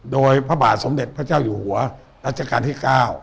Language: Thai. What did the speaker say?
โดยพระบาทสมเด็จพระเจ้าอยู่หัวรัชกาลที่๙